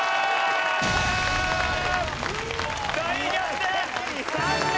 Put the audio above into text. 大逆転！